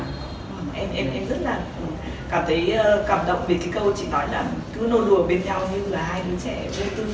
em rất là cảm thấy cảm động vì cái câu chị nói là cứ nô đùa bên nhau như là hai đứa trẻ vô tư